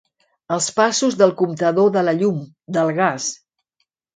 Els passos del comptador de la llum, del gas.